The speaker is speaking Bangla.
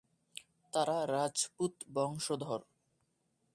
তারা রাজপুত বংশধর।